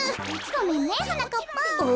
ごめんねはなかっぱん。